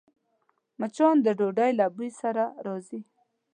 مچان د ډوډۍ له بوی سره راځي